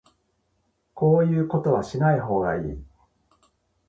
こういうことはしない方がいい